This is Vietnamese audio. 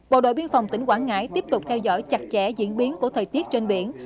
bộ đội biên phòng tỉnh quảng ngãi tiếp tục theo dõi chặt chẽ diễn biến của thời tiết trên biển